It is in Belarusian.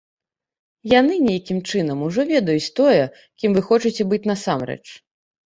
Яны нейкім чынам ужо ведаюць тое, кім вы хочаце быць насамрэч.